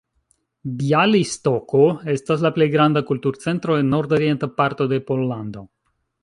Bjalistoko estas la plej granda kulturcentro en nord-orienta parto de Pollando.